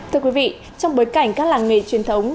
trong bối cảnh các làng nghề truyền thống